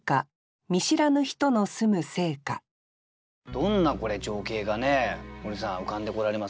どんなこれ情景がね森さん浮かんでこられます？